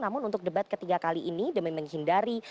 namun untuk debat ketiga kali ini demi menghindari